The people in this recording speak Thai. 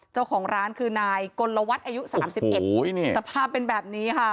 เจ้าของร้านคือนายกลวัตรอายุสามสิบเอ็ดโอ้โหสภาพเป็นแบบนี้ค่ะ